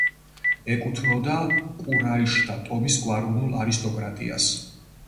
ეკუთვნოდა კურაიშთა ტომის გვაროვნულ არისტოკრატიას.